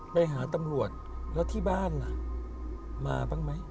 ไปหาตำรวจแล้วที่บ้านล่ะมาบ้างไหม